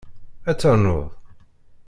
Ad ternuḍ?